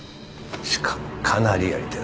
しかもかなりやり手だ。